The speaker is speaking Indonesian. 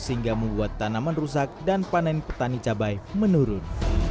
sehingga membuat tanaman rusak dan panen petani cabai menurun